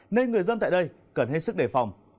nên người dân tại đây cần hết sức đề phòng